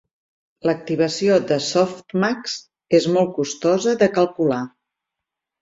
L'activació de softmax és molt costosa de calcular.